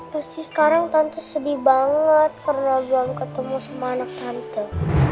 terus sih sekarang tante sedih banget karena belum ketemu sama anak tante